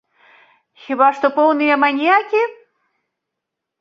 Хіба што поўныя маньякі?